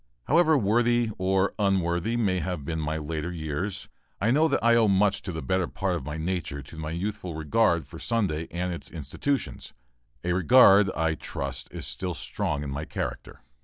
However worthy or unworthy may have been my later years, I know that I owe much of the better part of my nature to my youthful regard for Sunday and its institutions a regard, I trust, still strong in my character.